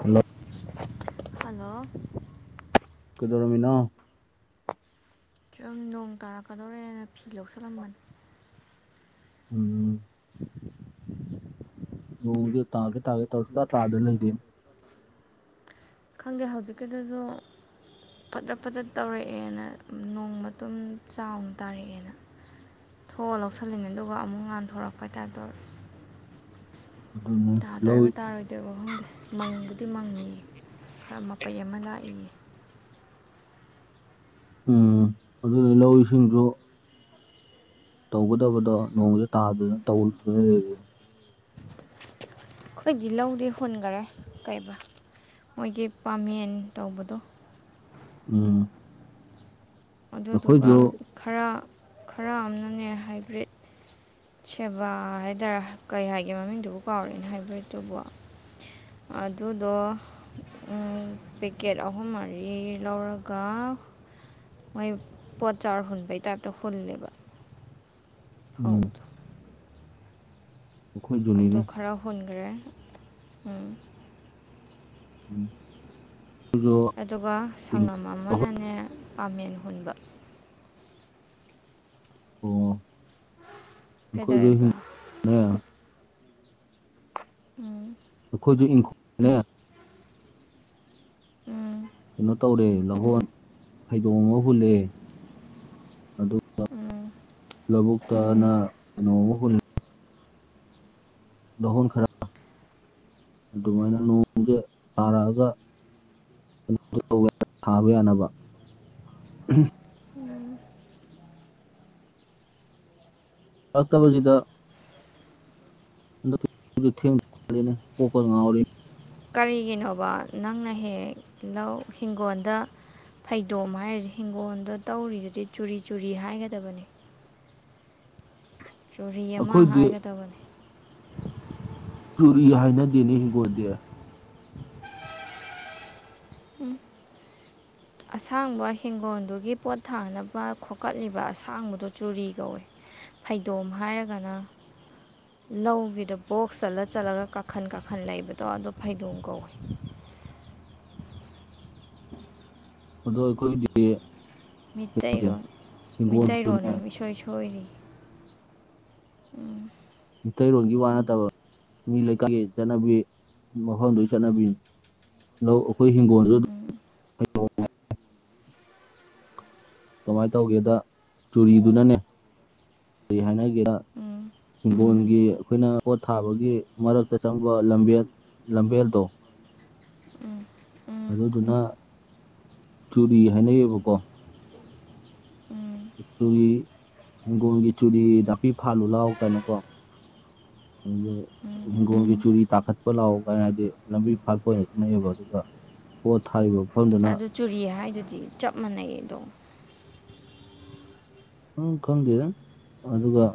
Hello hello ꯀꯩꯗꯧꯔꯝꯃꯤꯅꯣ ꯁꯨꯝ ꯅꯣꯡ ꯇꯥꯔꯛꯀꯗꯧꯔꯦꯅꯥ ꯐꯤ ꯂꯧꯁꯜꯂꯝꯕꯅꯤ ꯎꯝ [inaudible] ꯅꯣꯡꯖ‌ꯦ ꯇꯥꯒꯦ ꯇꯥꯒꯦ ꯇꯧꯔ ꯁꯨꯡꯇꯥ ꯇꯥꯗ ꯂꯩꯔ‌ꯦ ꯈꯪꯗꯦ ꯍꯧꯖꯤꯛꯀꯤꯗꯨꯖꯨ ꯄꯗ꯭ꯔꯠ ꯐꯗ꯭ꯔꯠ ꯇꯧꯔꯛꯑꯦꯅ ꯅꯣꯡ ꯃꯇꯨꯝ ꯆꯥꯎꯅ ꯇꯥꯔꯛꯑꯦꯅ ꯊꯣꯛꯑ ꯂꯧꯁꯤꯜꯂꯤꯅꯦ ꯑꯗꯨꯒ ꯑꯃꯨꯛ ꯉꯥꯟꯊꯣꯔꯛꯄꯩ ꯇꯥꯏꯞ ꯇꯧꯔꯛꯑꯦ ꯑꯗꯨꯅꯤ ꯂꯧ ꯇꯥꯗ‌ꯣꯏꯔꯤꯕ ꯇꯥꯔꯣꯏ ꯗ‌ꯣꯏꯕ ꯈꯪꯗꯦ ꯃꯪꯕꯨꯗꯤ ꯃꯪꯉꯤꯌꯦ ꯈꯔ ꯃꯄꯩ ꯑꯃ ꯂꯥꯛꯏꯌꯦ ꯎꯝ ꯑꯗꯨꯗꯤ ꯂꯧ ꯏꯁꯤꯡꯖꯨ ꯇꯧꯒꯗꯕꯗꯣ ꯅꯣꯡꯖ‌ꯦ ꯇꯥꯗꯗꯅ ꯇꯧꯗꯨꯅ ꯂꯩꯔ‌ꯦꯅ‌ꯦ ꯑꯩꯈꯣꯏꯒꯤ ꯂꯧꯗꯤ ꯍꯨꯟꯒꯔꯦ ꯀꯩꯕ ꯃꯣꯏꯒꯤ ꯄꯥꯃꯦꯟ ꯇꯧꯕꯗꯣ ꯎꯝ ꯑꯗꯨꯗꯨꯒ ꯑꯩꯈꯣꯏꯁꯨ ꯈꯔ ꯈꯔ ꯑꯃꯅꯅꯦ ꯍꯥꯏꯕ꯭ꯔꯤꯠ ꯁꯦꯕꯥ ꯍꯥꯏꯗꯥꯔꯥ ꯀꯩ ꯍꯥꯏꯒꯦ ꯃꯃꯤꯡꯗꯨꯕꯨ ꯀꯥꯎꯔꯦꯅ‌ꯦ ꯍꯥꯏꯕ꯭ꯔꯤꯠꯇꯨꯕ‌ꯣ ꯑꯗꯨꯗ‌ꯣ ꯎꯝ ꯄꯦꯛꯀꯦꯠ ꯑꯍꯨꯝ ꯃꯔꯤ ꯂꯧꯔꯒ ꯃꯣꯏ ꯄꯣꯠ ꯆꯥꯔ ꯍꯟꯕꯩ ꯇꯥꯏꯞꯇ ꯍꯨꯜꯂ‌ꯦꯕ ꯎꯝ ꯐꯧꯗ‌ꯣ ꯑꯗꯨ ꯑꯩꯈꯣꯏꯁꯨꯅꯤꯅꯦ ꯈꯔ ꯍꯨꯟꯒ꯭ꯔꯦ ꯎꯝ ꯎꯝ [unintelligible] ꯑꯗꯨꯒ ꯁꯪꯉꯝ ꯑꯣ ꯑꯃꯅꯅꯦ ꯄꯥꯃꯦꯟ ꯍꯨꯟꯕ ꯑꯣ ꯀꯩꯗꯧꯑꯦꯕ ꯎꯝ ꯑꯩꯈꯣꯏꯖꯨ ꯏꯪꯈꯣꯜꯅꯦ ꯎꯝ ꯀꯩꯅꯣ ꯇꯧꯔꯦ ꯂꯧꯍꯣꯟ ꯐꯩꯗꯣꯝ ꯑꯃ ꯍꯨꯜꯂꯦ ꯑꯗꯨ ꯎꯝ ꯂꯧꯕꯨꯛꯇꯅ ꯀꯩꯅꯣ ꯑꯃ ꯍꯨꯟ ꯂꯧꯍꯣꯟ ꯈꯔ ꯑꯗꯨꯃꯥꯏꯅ ꯅꯣꯡꯖ‌ꯦ ꯇꯥꯔꯛꯑꯒ [unintelligible] ꯊꯥꯕ ꯌꯥꯅꯕ ꯎꯝ ꯇꯥꯔꯛꯇꯕꯖꯤꯗ [unintelligible] ꯀꯣꯛꯀ ꯉꯥꯎꯔꯦ ꯀꯔꯤꯒꯤꯅꯣꯕ ꯅꯪꯅ ꯍ‌ꯦꯍꯦꯛ ꯂꯧ ꯍꯤꯡꯒꯣꯟꯗ ꯐꯩꯗꯣꯝ ꯍꯥꯏꯔꯤꯖ‌ꯦ ꯍꯤꯡꯒꯣꯟꯗ ꯇꯧꯔꯤꯗꯨꯗꯤ ꯆꯨꯔꯤ ꯆꯨꯔꯤ ꯍꯥꯏꯒꯗꯕꯅꯤ ꯆꯨꯔꯤ ꯑꯃ ꯑꯩꯈꯣꯏꯗꯤ ꯍꯥꯏꯒꯗꯕꯅꯤ ꯆꯨꯔꯤ ꯍꯥꯏꯅꯗ‌ꯦꯅꯦ ꯍꯤꯡꯒꯣꯟꯗꯤ ꯑꯁꯥꯡꯕ ꯍꯤꯡꯒꯣꯟꯗꯨꯒꯤ ꯄꯣꯠ ꯊꯥꯅꯕ ꯈꯣꯀꯠꯂꯤꯕ ꯑꯁꯥꯡꯕꯗꯣ ꯆꯨꯔꯤ ꯀꯧꯋ‌ꯦ ꯐꯩꯗꯣꯝ ꯍꯥꯏꯔꯒꯅ ꯂꯧꯒꯤꯗ ꯕꯣꯛꯁ ꯆꯜꯂ ꯆꯜꯂꯒ ꯀꯥꯈꯟ ꯀꯥꯈꯟ ꯂꯩꯕꯗꯣ ꯑꯗꯣ ꯐꯩꯗꯣꯡ ꯀꯧꯋ‌ꯦ ꯑꯗꯣ ꯑꯩꯈꯣꯏꯗꯤ ꯃꯤꯠꯇꯩꯔꯣꯟ ꯃꯤꯠꯇꯩꯔꯣꯟ ꯍꯤꯡꯒꯣꯜꯗꯨꯅꯦ ꯑꯃ ꯏꯁꯣꯏ ꯁꯣꯏꯔꯤꯌ‌ꯦ ꯎꯝ ꯃꯤꯇꯩꯩꯔꯣꯟꯒꯤ ꯋꯥ ꯅꯠꯇꯕ ꯃꯤ ꯂꯩꯀꯥꯏꯒꯤ ꯆꯠꯅꯕꯤ ꯃꯐꯝꯗꯨꯒꯤ ꯆꯠꯅꯕꯤꯅꯤ ꯂꯧ ꯑꯩꯈꯣꯏ ꯍꯤꯡꯒꯣꯟꯖꯨ ꯎꯝ ꯀꯃꯥꯏ ꯇꯧꯒꯦꯗ ꯆꯨꯔꯤꯗꯨꯅꯅꯦ ꯀꯔꯤ ꯍꯥꯏꯅꯒꯦꯗ ꯎꯝ ꯍꯤꯡꯒꯣꯟꯒꯤ ꯑꯩꯈꯣꯏꯅ ꯀꯣꯠ ꯊꯥꯕꯒꯤ ꯃꯔꯛꯇ ꯆꯪꯕ ꯂꯝꯕꯦꯜ ꯂꯝꯕꯦꯜꯗꯣ ꯎꯝ ꯑꯗꯨꯗꯨꯅ ꯇꯨꯔꯤ ꯍꯥꯏꯅꯩꯌꯦꯕꯀꯣ ꯎꯝ ꯆꯨꯔꯤ ꯍꯪꯒꯣꯜꯒꯤ ꯆꯨꯔꯤ ꯅꯥꯄꯤ ꯐꯥꯜꯂꯨ ꯂꯥꯎ ꯀꯥꯏꯅ ꯀꯣ [unintelligible] ꯍꯤꯡꯒꯣꯜꯒꯤ ꯆꯨꯔꯤ ꯇꯥꯈꯠꯄ ꯂꯥꯎ ꯀꯥꯏ ꯍꯥꯏꯗꯤ ꯂꯝꯕꯤ ꯐꯥꯠꯄ ꯑꯣꯏꯅ ꯈꯪꯅꯩꯌꯦꯕ ꯑꯗꯨꯒ ꯄꯣꯠ ꯊꯔꯤꯕꯝ ꯑꯗꯨ ꯆꯨꯔꯤ ꯍꯥꯏꯗꯨꯗꯤ ꯆꯞ ꯃꯥꯟꯅꯩ ꯑꯗꯣ ꯎꯝ ꯈꯪꯗꯦꯗ ꯑꯗꯨꯒ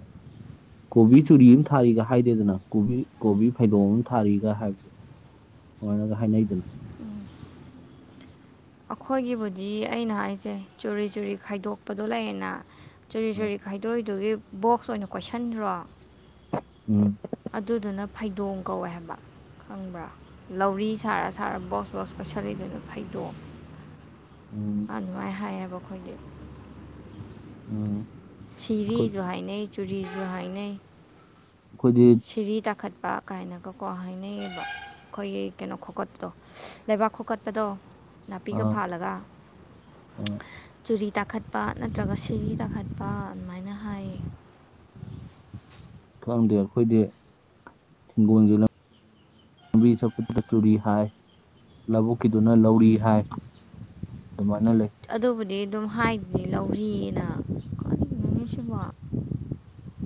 ꯀꯣꯕꯤ ꯆꯨꯔꯤ ꯑꯝ ꯊꯥꯔꯤꯒ ꯍꯥꯏꯗꯦꯗꯅ ꯀꯣꯕꯤ ꯀꯣꯕꯤ ꯐꯩꯗꯣꯝ ꯑꯝ ꯊꯥꯔꯤꯒ ꯍꯥꯏꯕꯗꯣ ꯑꯃꯥꯏꯅꯒ ꯍꯥꯏꯅꯩꯗꯅ ꯑꯈꯣꯏꯒꯤꯕꯨꯗꯤ ꯑꯩꯅ ꯍꯥꯏꯁꯦ ꯆꯨꯔꯤ ꯆꯨꯔꯤ ꯈꯥꯏꯗꯣꯛꯄꯗꯣ ꯂꯩꯌꯦꯅ ꯆꯨꯔꯤ ꯑꯥ ꯆꯨꯔꯤ ꯈꯥꯏꯗꯣꯏꯗꯨꯒꯤ ꯕꯣꯛꯁ ꯑꯣꯏꯅ ꯀꯣꯏꯁꯟꯗ꯭ꯔꯣ ꯎꯝ ꯑꯗꯨꯗꯨꯅ ꯐꯩꯗꯣꯡ ꯀꯧꯋꯦ ꯍꯥꯏꯕ ꯈꯪꯕ꯭ꯔꯥ ꯂꯧꯔꯤ ꯁꯔ ꯁꯔ ꯕꯣꯛꯁ ꯕꯣꯛꯁ ꯀꯣꯏꯁꯜꯂꯤꯗꯅ ꯐꯩꯗꯣꯝ ꯎꯝ ꯃꯥꯟꯗꯨꯃꯥꯏ ꯍꯥꯏꯌꯦꯕ ꯑꯩꯈꯣꯏꯗꯤ [unintelligible] ꯑꯩꯈꯣꯏ ꯁꯤꯔꯤꯖꯨ ꯍꯥꯏꯅꯩ ꯆꯨꯔꯤꯖꯨ ꯍꯥꯏꯅꯩ ꯈꯣꯏꯗꯤꯠ ꯁꯤꯔꯤ ꯇꯥꯈꯠꯄ ꯀꯥꯏꯅꯒꯀꯣ ꯍꯥꯏꯅꯩꯌꯦꯕ ꯈꯣꯏꯒꯤ ꯀꯩꯅꯣ ꯈꯣꯀꯠꯄꯗꯣ ꯂꯩꯕꯥꯛ ꯈꯣꯀꯠꯄꯗꯣ ꯅꯥꯄꯤꯒ ꯑꯥ ꯐꯥꯜꯂꯒ ꯑꯥ ꯆꯨꯔꯤ ꯇꯥꯈꯠꯄ ꯅꯠꯇ꯭ꯔꯒ ꯁꯤꯔꯤ ꯇꯥꯈꯠꯄ ꯃꯥꯏꯅ ꯍꯥꯏꯌꯦ ꯈꯪꯗꯦ ꯑꯈꯣꯏꯗꯤ ꯍꯤꯒꯣꯟꯖꯨ ꯂꯞ ꯂꯝꯕꯤ ꯆꯠꯄꯗ ꯆꯨꯔꯤ ꯍꯥꯏ ꯂꯧꯕꯨꯛꯀꯤꯗꯨꯅ ꯂꯧꯔꯤ ꯍꯥꯏ ꯗꯨꯃꯥꯏꯅ ꯂꯩ ꯑꯗꯨꯕꯨꯗꯤ ꯑꯗꯨꯝ ꯍꯥꯏꯗꯨꯅꯤ ꯂꯧꯔꯤꯑꯦꯅ ꯀꯔꯤꯅꯣꯅꯦ ꯁꯤꯕꯣ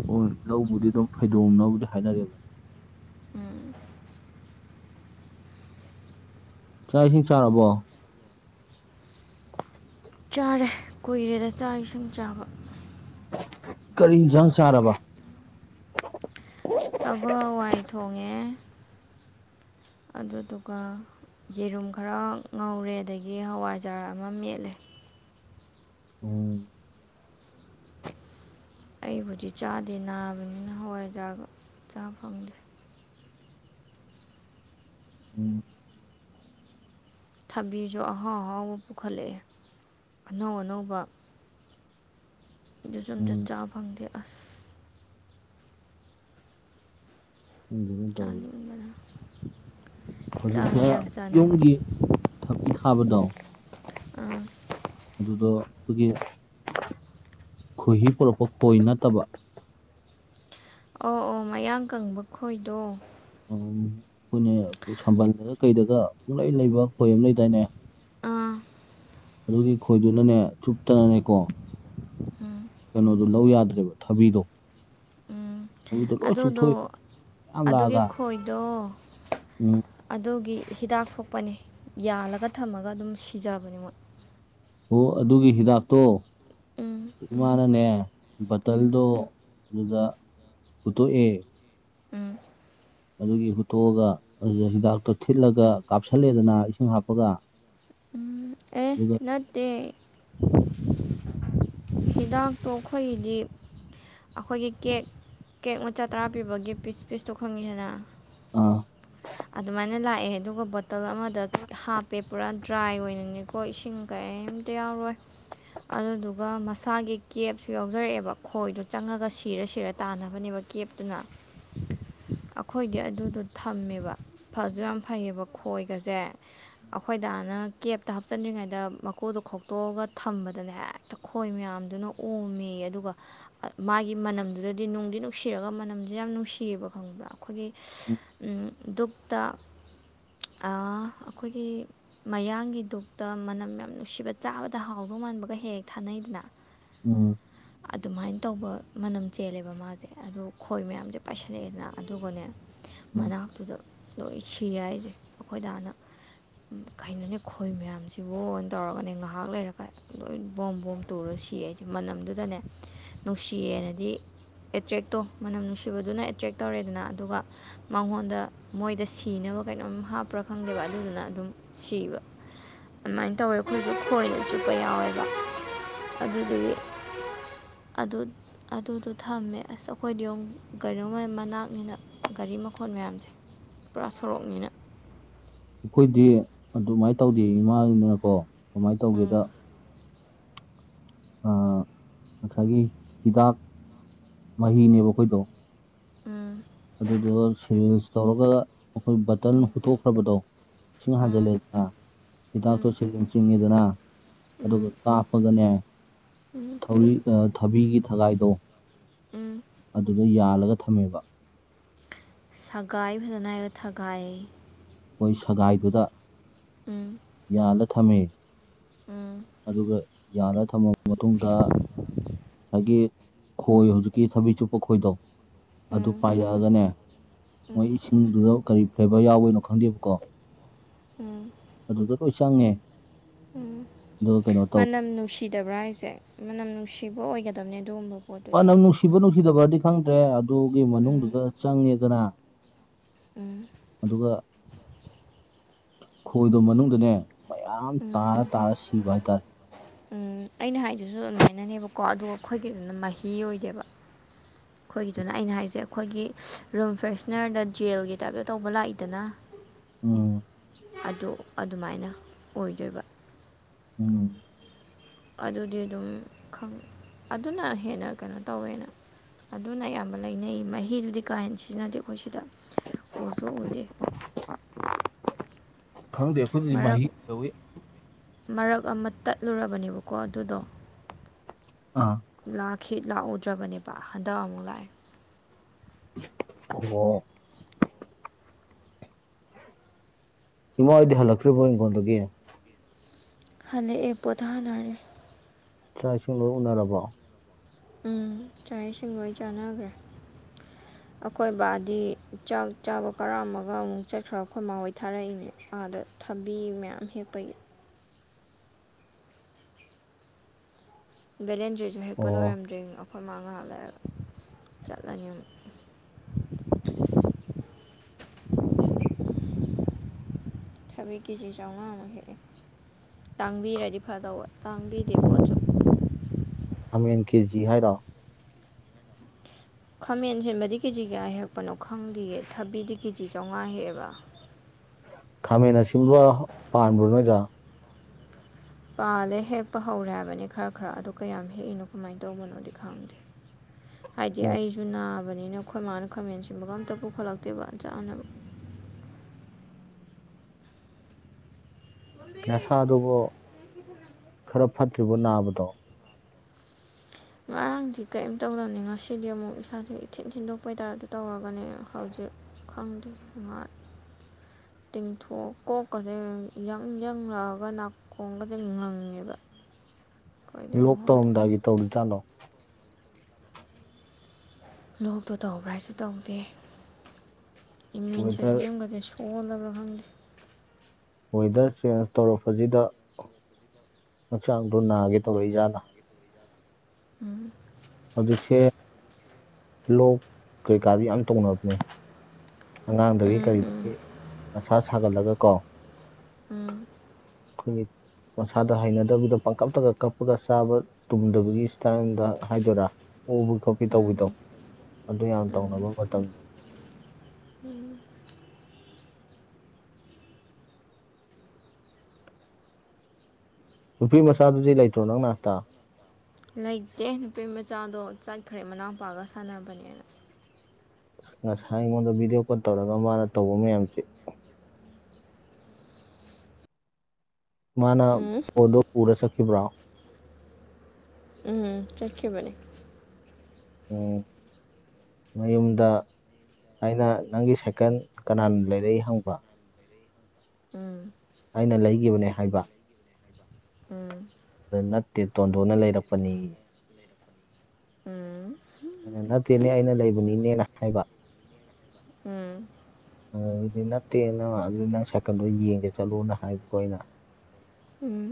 ꯑꯣ ꯂꯧꯕꯨꯗꯤ ꯑꯗꯨꯝ ꯐꯩꯗꯣꯡꯅꯕꯨꯗꯤ ꯍꯥꯏꯅꯔꯦꯗꯅ ꯎꯝ ꯆꯥꯛ ꯏꯁꯤꯡ ꯆꯥꯔꯕꯣ ꯆꯥꯔꯦ ꯀꯨꯏꯔꯦꯗ ꯆꯥꯛ ꯏꯁꯤꯡ ꯆꯥꯕ ꯀꯔꯤ ꯏꯟꯖꯥꯡ ꯆꯥꯔꯕ ꯁꯒꯣꯜ ꯍꯋꯥꯏ ꯊꯣꯡꯉꯦ ꯑꯗꯨꯗꯨꯒ ꯌꯦꯔꯨꯝ ꯈꯔ ꯉꯧꯔꯦ ꯑꯗꯒꯤ ꯍꯋꯥꯏꯖꯥꯔ ꯑꯃꯥ ꯃꯦꯠꯂꯦ ꯎꯝ ꯑꯩꯕꯨꯗꯤ ꯆꯥꯗꯦ ꯅꯥꯕꯅꯤꯅ ꯍꯋꯥꯏꯖꯥꯔꯒ ꯆꯥ ꯐꯪꯗꯦ ꯎꯝ ꯊꯕꯤꯖꯨ ꯑꯍꯥꯎ ꯑꯍꯥꯎꯕ ꯄꯨꯈꯠꯂꯛꯑꯦ ꯑꯅꯧ ꯑꯅꯧꯕ ꯑꯗꯨꯖꯨ ꯑꯝꯇ ꯎꯝ ꯆꯥ ꯐꯪꯗꯦ ꯑꯁ ꯈꯪꯗꯦꯅꯦ ꯆꯥꯅꯤꯡꯕꯅ ꯍꯧꯖꯤꯛ ꯆꯥꯗꯤ ꯈꯔ ꯌꯥꯝ ꯆꯥꯅꯤꯡꯉꯦ ꯌꯨꯝꯒꯤ ꯊꯕꯤ ꯊꯥꯕꯗꯣ ꯑꯗꯨꯗꯣ ꯑꯩꯈꯣꯏꯒꯤ ꯈꯣꯏꯍꯤ ꯄꯨꯔꯛꯄ ꯈꯣꯏ ꯅꯠꯇꯕ ꯑꯣ ꯑꯣ ꯃꯌꯥꯡ ꯀꯪꯕ ꯈꯣꯏꯗꯣ [unintelligible] ꯁꯝꯕꯜꯗꯒ ꯀꯩꯗꯒ ꯄꯨꯡꯂꯩ ꯂꯩꯕ ꯈꯣꯏ ꯑꯝ ꯂꯩꯗꯥꯏꯅꯦ ꯑꯥ ꯑꯗꯨꯒꯤ ꯈꯣꯏꯗꯨꯅꯅꯦ ꯆꯨꯞꯇꯅꯅꯦꯀꯣ ꯎꯝ ꯀꯩꯅꯣꯗꯣ ꯂꯧ ꯌꯥꯗ꯭ꯔꯦꯕ ꯊꯕꯤꯗꯣ ꯎꯝ ꯊꯕꯤꯗꯣ ꯂꯣꯏ ꯑꯗꯣꯗꯣ ꯆꯨꯞꯊꯣꯛꯏ ꯃꯌꯥꯝ ꯑꯗꯨꯒꯤ ꯂꯥꯛꯑꯒ ꯈꯣꯏꯗꯣ ꯎꯝ ꯑꯗꯨꯒꯤ ꯍꯤꯗꯥꯛ ꯊꯣꯛꯄꯅꯦ ꯌꯥꯜꯂꯒ ꯊꯝꯃꯒ ꯑꯗꯨꯝ ꯁꯤꯖꯕꯅꯦ ꯃꯣꯏ ꯑꯣ ꯑꯗꯨꯒꯤ ꯍꯤꯗꯥꯛꯇꯣ ꯎꯝ ꯏꯃꯥꯅꯅꯦ ꯎꯝ ꯕꯇꯜꯗꯣ ꯑꯗꯨꯗ ꯍꯨꯠꯇꯣꯛꯑꯦ ꯎꯝ ꯑꯗꯨꯒꯤ ꯍꯨꯠꯇꯣꯛꯑꯒ ꯑꯗꯨꯗ ꯍꯤꯗꯥꯛꯇꯣ ꯊꯤꯠꯂꯒ ꯀꯥꯞꯁꯜꯂꯦꯗꯅ ꯏꯁꯤꯡ ꯍꯥꯞꯄꯒ ꯎꯝ ꯑꯦ ꯑꯗꯨꯒ ꯅꯠꯇꯦ [inaudible] ꯍꯤꯗꯥꯛꯇꯣ ꯑꯈꯣꯏꯒꯤꯗꯤꯞ ꯑꯈꯣꯏꯒꯤ ꯀꯦꯛ ꯀꯦꯛ ꯃꯆꯥ ꯇꯔꯥ ꯄꯤꯕꯒꯤ ꯄꯤꯁ- ꯄꯤꯁꯇꯣ ꯈꯪꯉꯤꯗꯅ ꯑꯥ ꯑꯗꯨꯃꯥꯏꯅ ꯂꯥꯛꯑꯦ ꯑꯗꯨꯒ ꯕꯣꯇꯜ ꯑꯃꯗ ꯍꯥꯞꯄꯦ ꯄꯨꯔꯥ ꯗ꯭ꯔꯥꯏ ꯑꯣꯏꯅꯅꯤ ꯈꯣꯏ ꯏꯁꯤꯡ ꯀꯥꯌꯦꯝꯇ ꯌꯥꯎꯔꯣꯏ ꯑꯗꯨꯗꯨꯒ ꯃꯁꯥꯒꯤ ꯀꯦꯞꯁꯨ ꯌꯥꯎꯖꯔꯛꯑꯦꯕ ꯈꯣꯏꯗꯣ ꯆꯪꯉꯒ ꯁꯤꯔ ꯁꯤꯔ ꯇꯥꯟꯅꯕꯅꯦꯕ ꯀꯦꯞꯇꯨꯅꯥ [inaudible] ꯑꯈꯣꯏꯗꯤ ꯑꯗꯨꯗꯣ ꯊꯝꯃꯦꯕ ꯐꯥꯖꯨ ꯌꯥꯝ ꯐꯩꯌꯦꯕ ꯈꯣꯏꯒꯥꯖꯦ ꯑꯈꯣꯏ ꯗꯥꯅ ꯀꯦꯞ ꯇꯥ ꯍꯥꯞꯆꯟꯗ꯭ꯔꯤꯉꯩꯗ ꯃꯀꯨꯗꯣ ꯈꯣꯛꯇꯣꯛꯑꯥꯒ ꯊꯝꯕꯗꯥꯅꯦ ꯍꯦꯛꯇꯥ ꯈꯣꯏ ꯃꯌꯥꯝꯗꯨꯅ ꯑꯣꯝꯃꯦꯌꯦ ꯑꯗꯨꯒꯥ ꯑꯥ ꯃꯥꯒꯤ ꯃꯥꯅꯝꯗꯨꯗꯥꯗꯤ ꯅꯨꯡꯗꯤ ꯅꯨꯡꯁꯤꯔꯒꯥ ꯃꯅꯝꯖꯦ ꯌꯥꯝ ꯅꯨꯡꯁꯤꯌꯦꯕ ꯈꯪꯕ꯭ꯔꯥ ꯑꯈꯣꯏꯒꯤ [unintelligible] ꯎꯝ ꯗꯨꯛꯇꯥ ꯑꯥ ꯑꯈꯣꯏꯒꯤ ꯃꯌꯥꯡꯒꯤ ꯗꯨꯛꯇꯥ ꯃꯅꯝ ꯌꯥꯝ ꯅꯨꯡꯁꯤꯕ ꯆꯥꯕꯗ ꯍꯥꯎꯗꯧ ꯃꯥꯟꯕꯒ ꯍꯦꯛ ꯍꯦꯛ ꯊꯥꯅꯩꯗꯅ ꯎꯝ ꯑꯗꯨꯃꯥꯏꯟ ꯇꯧꯕ ꯃꯅꯝ ꯆꯦꯜꯂꯦꯕ ꯃꯥꯖꯦ ꯑꯗꯨ ꯈꯣꯏ ꯃꯌꯥꯝꯁꯦ ꯄꯥꯏꯁꯜꯂꯛꯑꯦꯗꯥꯅ ꯑꯗꯨꯒꯅꯦ ꯎꯝ ꯃꯅꯥꯛꯇꯨꯗ ꯂꯣꯏ ꯁꯤ ꯍꯥꯏꯁꯦ ꯑꯈꯣꯏ ꯗꯥꯅ ꯎꯝ ꯀꯩꯅꯣꯅꯦ ꯈꯣꯏ ꯃꯌꯥꯝꯁꯤꯕꯣꯅꯥ ꯇꯧꯔꯥꯒꯅꯦ ꯉꯥꯍꯥꯛ ꯂꯩꯔꯒꯥ ꯂꯣꯏ ꯕꯣꯝ ꯕꯣꯝ ꯇꯨꯔꯥ ꯁꯤ ꯍꯥꯏꯁꯦ ꯃꯅꯝꯗꯨꯗꯥꯅꯦ ꯅꯨꯡꯁꯤꯌꯦꯅꯥꯗꯤ ꯑꯦꯛꯇ꯭ꯔꯦꯛ ꯇꯣ ꯃꯅꯝ ꯅꯨꯡꯁꯤꯕꯥꯗꯨꯅ ꯑꯦꯇ꯭ꯔꯦꯛ ꯇꯧꯔꯦꯗꯥꯅ ꯑꯗꯨꯒ ꯃꯉꯣꯟꯗꯥ ꯃꯣꯏꯗꯥ ꯁꯤꯅꯕ ꯀꯩꯅꯣꯝ ꯍꯥꯞꯄ꯭ꯔꯥ ꯈꯪꯗꯦꯕ ꯑꯗꯨꯗꯨꯅ ꯑꯗꯨꯝ ꯁꯤꯕ꯫ ꯑꯗꯨꯃꯥꯏꯟ ꯇꯧꯋꯦ ꯑꯈꯣꯏꯁꯨ ꯈꯣꯏꯅ ꯆꯨꯞꯄ ꯌꯥꯎꯋꯦꯕ ꯑꯗꯨꯗꯨꯒꯤ [inaudible] ꯑꯗꯨꯠ ꯑꯗꯨꯗꯣ ꯊꯝꯃꯦ ꯑꯁ ꯑꯈꯣꯏꯗꯤ ꯌꯣꯎ ꯀꯩꯅꯣꯃ ꯃꯅꯥꯛꯅꯤꯅ ꯒꯥꯔꯤ ꯃꯈꯣꯟ ꯃꯌꯥꯝꯁꯦ ꯄꯨꯔꯥ ꯁꯣꯔꯣꯛꯅꯤꯅ ꯑꯩꯈꯣꯏꯗꯤ ꯑꯗꯨꯃꯥꯏ ꯇꯧꯗꯦꯌꯦ ꯏꯃꯥꯗꯨꯅꯥꯀꯣ ꯀꯃꯥꯏ ꯇꯧꯒꯦꯗꯥ ꯎꯝ ꯑꯥ ꯉꯁꯥꯏꯒꯤ ꯍꯤꯗꯥꯛ ꯃꯍꯤꯅꯦꯕꯥ ꯑꯈꯣꯏꯗꯣ ꯎꯝ ꯑꯗꯨꯗꯨꯒꯥ ꯁꯤꯔꯤꯟꯁ ꯇꯧꯔꯥꯒꯥ ꯑꯈꯣꯏ ꯕꯥꯇꯟ ꯍꯨꯠꯇꯣꯛꯈ꯭ꯔꯥꯕꯗꯣ ꯏꯁꯤꯡ ꯎꯝ ꯍꯥꯟꯖꯤꯜꯂꯦꯗꯥꯅ ꯎꯝ ꯍꯤꯗꯥꯛꯇꯣ ꯁꯤꯔꯤꯟꯁ ꯆꯤꯡꯉꯦꯗꯥꯅ ꯑꯗꯨꯒꯥ ꯎꯝ ꯀꯥꯞꯄꯥꯒꯅꯦ [unintelligible] ꯊꯧꯔꯤ ꯑꯥ ꯊꯥꯕꯤꯒꯤ ꯊꯒꯥꯏꯗꯣ ꯎꯝ ꯑꯗꯨꯗꯥ ꯌꯥꯜꯂꯥꯒ ꯊꯝꯃꯦꯕꯥ ꯁꯒꯥꯏ ꯐꯥꯖꯅ ꯍꯥꯏꯌꯣ ꯊꯥꯒꯥꯏꯌꯦ ꯃꯣꯏ ꯁꯒꯥꯏꯗꯨꯗꯥ ꯎꯝ ꯌꯥꯜꯂꯥ ꯊꯝꯃꯦ ꯎꯝ ꯑꯗꯨꯒ ꯌꯥꯜꯂꯥ ꯊꯝꯃ ꯃꯇꯨꯡꯗꯥ ꯉꯁꯥꯏꯒꯤ ꯈꯣꯏ ꯍꯧꯖꯤꯛꯀꯤ ꯊꯕꯤ ꯆꯨꯞꯄ ꯈꯣꯏꯗꯣ ꯑꯗꯨ ꯎꯝ ꯄꯥꯏꯔꯛꯑꯒꯅꯦ ꯃꯣꯏ ꯎꯝ ꯏꯁꯤꯡꯗꯨꯗ ꯀꯔꯤ ꯐ꯭ꯂꯦꯕꯔ ꯌꯥꯎꯕꯩꯅꯣ ꯈꯪꯗꯦꯕꯀꯣ ꯎꯝ ꯑꯗꯨꯗ ꯂꯣꯏ ꯆꯪꯉꯦ ꯎꯝ ꯑꯗꯨꯒ ꯀꯩꯅꯣ ꯇꯧ ꯃꯅꯝ ꯅꯨꯡꯁꯤꯗꯕ꯭ꯔꯥ ꯍꯥꯏꯖꯦ ꯃꯅꯝ ꯅꯨꯡꯁꯤꯕ ꯑꯣꯏꯒꯗꯝꯅꯦ ꯑꯗꯨꯒꯨꯝꯕ ꯄꯣꯠꯇꯨꯗꯤ ꯃꯅꯝ ꯅꯨꯡꯁꯤꯕ ꯅꯨꯡꯁꯤꯗꯕꯥꯗꯤ ꯈꯪꯗ꯭ꯔꯦ ꯑꯗꯨꯒꯤ ꯃꯅꯨꯡꯗꯨꯗ ꯎꯝ ꯆꯪꯉꯦꯗꯅꯥ ꯎꯝ ꯑꯗꯨꯒ ꯈꯣꯏꯗꯣ ꯃꯅꯨꯡꯗꯅꯦ ꯃꯌꯥꯝ ꯎꯝ ꯇꯥꯔ ꯇꯥꯔ ꯁꯤꯕ ꯍꯥꯏꯇꯥꯔꯦ ꯎꯝ ꯑꯩꯅ ꯍꯥꯏꯗꯨꯖꯨ ꯑꯗꯨꯃꯥꯏꯅꯅꯦꯕꯀꯣ ꯑꯗꯣ ꯈꯣꯏꯒꯤꯗꯨꯅ ꯃꯥꯍꯤ ꯑꯣꯏꯗꯦꯕ ꯈꯣꯏꯒꯤꯗꯨꯅ ꯑꯩꯅ ꯍꯥꯏꯖꯦ ꯈꯣꯏꯒꯤ ꯔꯨꯝ ꯐ꯭ꯔꯦꯁꯅꯔꯗ ꯖꯦꯜꯒꯤ ꯇꯥꯏꯞꯇ ꯇꯧꯕ ꯂꯥꯛꯏꯗꯅꯥ ꯫ ꯎꯝ ꯑꯗꯨ ꯑꯗꯨꯃꯥꯏꯅ ꯑꯣꯏꯗꯣꯏꯕꯥ ꯎꯝ ꯑꯗꯨꯗꯤ ꯗꯨꯝ ꯈꯪ ꯑꯗꯨꯅ ꯍꯦꯟꯅ ꯀꯩꯅꯣ ꯇꯧꯋꯦꯅ ꯑꯗꯨꯅ ꯑꯌꯥꯝꯕ ꯂꯩꯅꯩ ꯃꯍꯤꯗꯨꯗꯤ ꯀꯥ ꯍꯦꯟ ꯁꯤꯖꯤꯟꯅꯗꯦ ꯑꯈꯣꯏ ꯁꯤꯗꯥ ꯎꯁꯨ ꯎꯗꯦ ꯈꯪꯗꯦ ꯑꯩꯈꯣꯏꯗꯗꯤ ꯃꯔꯛ ꯃꯍꯤ ꯇꯧꯋꯤ ꯃꯔꯛ ꯑꯃ ꯇꯠꯂꯨꯔꯕꯅꯦꯕꯀꯣ ꯑꯗꯨꯗꯣ ꯑꯥ ꯂꯥꯛꯈꯤ ꯂꯥꯛꯎꯗ꯭ꯔꯕꯅꯦꯕ ꯍꯟꯗꯛ ꯑꯃꯨꯛ ꯂꯥꯛꯑꯦ ꯑꯣ ꯏꯃꯥ ꯍꯣꯏꯗꯤ ꯍꯜꯂꯛꯇ꯭ꯔꯤꯕꯣ ꯍꯤꯡꯒꯣꯟꯗꯒꯤ ꯍꯜꯂꯛ ꯑꯦ ꯄꯣꯊꯥꯅꯔꯤ ꯆꯥꯛ ꯏꯁꯤꯡ ꯂꯣꯏ ꯎꯅꯔꯕꯣ ꯎꯝ ꯆꯥꯛ ꯏꯁꯤꯡ ꯂꯣꯏ ꯆꯥꯟꯅꯒꯔ꯭ꯦ [inaudible] ꯑꯈꯣꯏ ꯕꯥꯗꯤ ꯆꯥꯛ ꯆꯥꯕ ꯀꯔꯛꯑꯃꯒ ꯑꯃꯨꯛ ꯆꯠꯈ꯭ꯔ ꯑꯩꯈꯣꯏ ꯃꯥ ꯍꯣꯏ ꯊꯥꯔꯛꯏꯅꯦ ꯑꯥꯗ ꯊꯕꯤ ꯃꯌꯥꯝ ꯍꯦꯞꯄꯒꯤ ꯕꯦꯂꯦꯟꯗ꯭ꯔꯤꯖꯨ ꯍꯦꯛꯄ ꯑꯣ ꯂꯣꯏꯔꯝꯗ꯭ꯔꯤꯡ ꯑꯩꯈꯣꯏ ꯃꯥ ꯉꯥꯏꯍꯥꯛꯂꯩ ꯆꯠꯂꯅꯤ ꯑꯃꯨꯛ ꯊꯕꯤ ꯀꯦꯖꯤ ꯆꯧꯉꯥꯃꯨꯛ ꯍꯦꯛꯏ ꯇꯥꯡꯕꯤꯔꯗꯤ ꯐꯗꯧꯕ ꯇꯥꯡꯕꯤꯗꯦ ꯄꯣꯠꯁꯨ ꯈꯃꯦꯟ ꯀꯦꯖꯤ ꯍꯥꯏꯔꯣ ꯈꯃꯦꯟ ꯁꯤꯟꯕꯗꯤ ꯀꯦꯖꯤ ꯀꯌꯥ ꯍꯦꯛ ꯍꯦꯛꯄꯅꯣ ꯈꯪꯗꯤꯌꯦ ꯊꯕꯤꯗꯤ ꯀꯦꯖꯤ ꯆꯧꯉꯥ ꯍꯦꯛꯑꯦꯕꯥ ꯈꯥꯃꯦꯟ ꯑꯁꯤꯟꯕ ꯄꯥꯟꯕ꯭ꯔꯣ ꯅꯣꯏꯗ ꯄꯥꯜꯂꯦ ꯍꯦꯛꯄ ꯍꯧꯔꯦ ꯍꯥꯏꯕꯅꯤ ꯈꯔ ꯈꯔ ꯑꯗꯣ ꯀꯌꯥꯝ ꯍꯦꯛꯏꯅꯣ ꯀꯃꯥꯏꯅ ꯇꯧꯕꯅꯣꯗꯤ ꯈꯪꯗꯦ [inaudible] ꯍꯥꯏꯗꯤ ꯎꯝ ꯑꯩꯖꯨ ꯅꯥꯕꯅꯤꯅ ꯑꯈꯣꯏ ꯃꯥꯅ ꯈꯥꯃꯦꯟ ꯁꯤꯟꯕꯒ ꯑꯝꯇ ꯄꯨꯈꯠꯂꯛꯇꯦꯕ ꯆꯥꯅꯕ ꯅꯁꯥꯗꯨꯕꯣ ꯈꯔ ꯐꯠꯇ꯭ꯔꯤꯕꯣ ꯅꯥꯕꯗꯣ ꯉꯔꯥꯡꯗꯤ ꯀꯩꯝ ꯇꯧꯗꯝꯅꯦ ꯉꯁꯤꯗꯤ ꯑꯃꯨꯛ ꯏꯁꯥꯁꯦ ꯏꯊꯤꯟ ꯊꯤꯟꯗꯣꯛꯄꯩ ꯇꯥꯥꯏꯞꯇ ꯇꯧꯔꯒꯅꯦ ꯍꯧꯖꯤꯛ ꯈꯪꯗꯦ ꯉꯍꯥꯛ ꯇꯤꯡꯊꯣꯛ ꯀꯣꯛꯀꯖꯦ ꯌꯪ ꯌꯪ ꯂꯥꯎꯔꯒ ꯅꯥꯛ ꯀꯣꯡꯒꯖꯦ ꯉꯪꯉꯦꯕ ꯀꯩꯗꯩꯅꯣ ꯂꯣꯛ ꯈꯪꯗꯦ ꯇꯧꯔꯝꯗꯥꯏꯒꯤ ꯇꯧꯔꯤꯖꯥꯠꯂꯣ ꯂꯣꯛꯇꯣ ꯇꯧꯕ꯭ꯔ ꯍꯥꯏꯁꯨ ꯇꯧꯗꯦ ꯏꯃ꯭ꯌꯨꯟ ꯋꯦꯗꯔ ꯁꯤꯁꯇꯦꯝꯒꯁꯦ ꯁꯣ ꯑꯣꯜꯂꯕ꯭ꯔꯥꯥ ꯈꯪꯗꯦ ꯋꯦꯗꯔ ꯆꯦꯟꯖ ꯇꯧꯔꯛꯄꯁꯤꯗ ꯍꯛꯆꯥꯡꯗꯣ ꯅꯥꯒꯦ ꯇꯧꯔꯛꯏꯖꯥꯠꯂ ꯎꯝ ꯍꯧꯖꯤꯛꯁꯦ ꯂꯣꯛ ꯀꯩꯀꯥꯗꯤ ꯌꯥꯝ ꯇꯧꯅꯕꯅꯦ ꯑꯉꯥꯡꯗꯒꯤ ꯎꯝ ꯀꯔꯤꯗꯒꯤ ꯃꯁꯥ ꯁꯥꯒꯠꯂꯒ ꯀꯣ ꯎꯝ ꯎꯝ ꯈꯣꯏꯒꯤ ꯃꯁꯥꯗ ꯍꯩꯅꯗꯕꯤꯗ ꯄꯪꯀꯞꯇꯒ ꯀꯞꯄꯒ ꯆꯥꯕ ꯇꯨꯝꯗꯕꯒꯤ ꯏꯁꯇꯥꯏꯜꯗ ꯍꯥꯏꯗꯣꯏꯔꯥ ꯑꯣꯕꯤ ꯈꯣꯠꯄꯤ ꯎꯝ ꯇꯧꯕꯤꯗꯣ ꯑꯗꯨ ꯌꯥꯝ ꯇꯧꯅꯕ ꯃꯇꯝꯅꯤ ꯎꯝ ꯅꯨꯄꯤ ꯃꯆꯥꯗꯨꯗꯤ ꯂꯩꯇ꯭ꯔꯣ ꯅꯪ ꯅꯥꯛꯇ ꯂꯩꯇꯦ ꯅꯨꯄꯤ ꯃꯆꯥꯗꯣ ꯆꯠꯈ꯭ꯔꯦ ꯃꯅꯥꯎꯄꯥꯒ ꯁꯥꯟꯅꯕꯅꯦꯅ ꯉꯁꯥꯏ ꯑꯩꯉꯣꯟꯗ ꯚꯤꯗꯤꯑꯣ ꯀꯣꯜ ꯇꯧꯔꯒ ꯃꯥꯅ ꯇꯧꯕ ꯃꯌꯥꯝꯁꯦ ꯃꯥꯅ ꯎꯝ ꯐꯣꯟꯗꯣ ꯄꯨꯔ ꯆꯠꯈꯤꯕ꯭ꯔꯣ ꯎꯝ ꯆꯠꯈꯤꯕꯅꯦ ꯑꯣ ꯃꯌꯨꯝꯗ ꯑꯩꯅ ꯅꯪꯒꯤ ꯁꯥꯏꯀꯜ ꯀꯅꯥꯅ ꯂꯩꯔꯛꯏ ꯍꯪꯕ ꯎꯝ ꯑꯩꯅ ꯂꯩꯒꯤꯕꯅꯦ ꯍꯥꯏꯕ ꯎꯝ ꯑꯗꯨ ꯅꯠꯇꯦ ꯇꯣꯟꯗꯣꯟꯅ ꯂꯩꯔꯛꯄꯅꯤꯌꯦ ꯎꯝ ꯑꯩꯅ ꯅꯠꯇꯦꯅꯦ ꯑꯩꯅ ꯂꯩꯕꯅꯤꯅꯦꯅ ꯍꯥꯏꯕ ꯎꯝ ꯑꯗꯒꯤꯗꯤ ꯅꯠꯇꯦ ꯅꯪ ꯑꯗꯨ ꯅꯪ ꯁꯥꯏꯀꯜꯗꯣ ꯌꯦꯡꯒꯦ ꯆꯠꯂꯣꯅ ꯍꯥꯏꯕꯀꯣ ꯑꯩꯅ ꯎꯝ